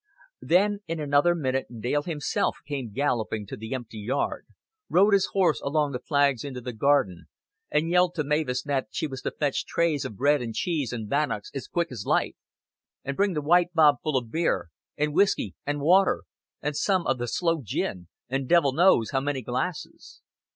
Then in another minute Dale himself came galloping to the empty yard, rode his horse along the flags into the garden, and yelled to Mavis that she was to fetch trays of bread and cheese and bannocks as quick as life. "An' bring the white bob full of beer an' whisky, an' water an' some o' the sloe gin; an' devel knows how many glasses."